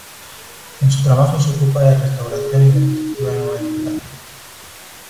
En su trabajo se ocupa de restauración y de arquitectura de nueva edificación.